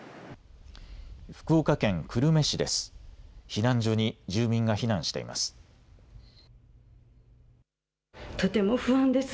福岡県久留米市です。